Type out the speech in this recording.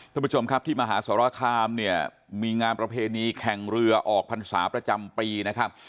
ท่านผู้ชมครับที่มหาสรคามเนี่ยมีงานประเพณีแข่งเรือออกพรรษาประจำปีนะครับ